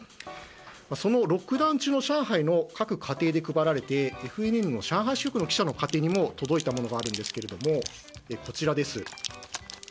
そのロックダウン中の上海の各家庭で配られてＦＮＮ上海支局の記者の家庭にも届いたものがあるんですがこちらです。